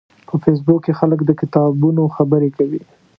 په فېسبوک کې خلک د کتابونو خبرې کوي